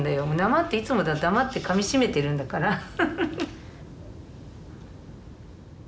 黙っていつもだって黙ってかみしめてるんだからハハハ。